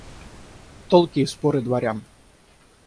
Толки и споры дворян.